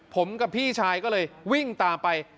ผมกับพี่ชายก็เลยวิ่งตามไป